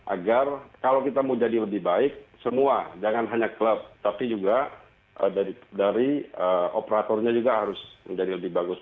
agar kalau kita mau jadi lebih baik semua jangan hanya klub tapi juga dari operatornya juga harus menjadi lebih bagus